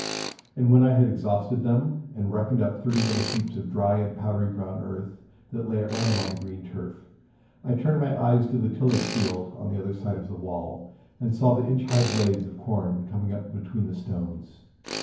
And when I had exhausted them, and reckoned up thirty little heaps of dry and powdery brown earth, that lay at random on the green turf, I turned my eyes to the tillage field on the other side of the wall, and saw the inch high blades of corn coming up between the stones.